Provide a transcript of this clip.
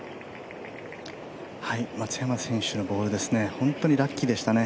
松山選手のボールですが本当にラッキーでしたね。